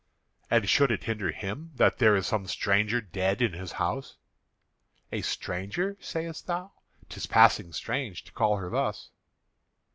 "And should it hinder him that there is some stranger dead in the house?" "A stranger, sayest thou? 'Tis passing strange to call her thus."